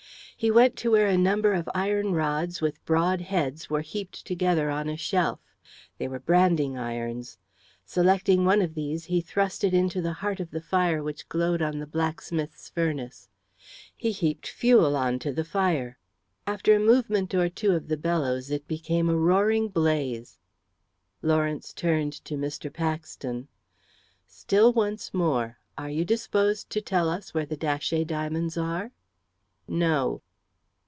He went to where a number of iron rods with broad heads were heaped together on a shelf. They were branding irons. Selecting one of these, he thrust it into the heart of the fire which glowed on the blacksmith's furnace. He heaped fuel on to the fire. After a movement or two of the bellows it became a roaring blaze. Lawrence turned to Mr. Paxton "Still once more are you disposed to tell us where the Datchet diamonds are?" "No."